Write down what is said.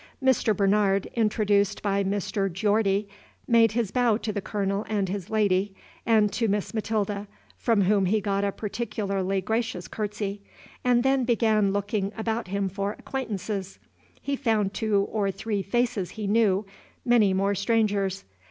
Mr. Bernard, introduced by Mr. Geordie, made his bow to the Colonel and his lady and to Miss Matilda, from whom he got a particularly gracious curtsy, and then began looking about him for acquaintances. He found two or three faces he knew, many more strangers.